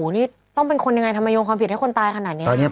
นี่ต้องเป็นคนยังไงทำไมโยงความผิดให้คนตายขนาดนี้